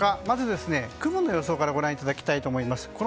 まず、雲の予想からご覧いただきたいと思います。